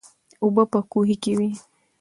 اوبه په کوهي کې وې.